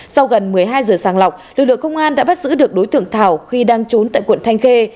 sau gần một mươi hai giờ sàng lọc lực lượng công an đã bắt giữ được đối tượng thảo khi đang trốn tại quận thanh khê